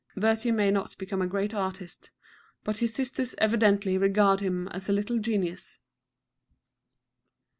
Bertie may not become a great artist, but his sisters evidently regard him as a little genius.